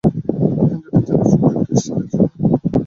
হ্যান্ডেলে ট্রেনের ছোট্ট একটা স্টিকার ছিল।